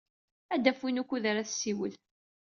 Ad d-taf win wukud ad tessiwel.